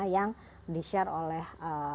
yang di share oleh